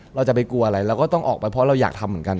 เราจะไปกลัวอะไรเราก็ต้องออกไปเพราะเราอยากทำเหมือนกัน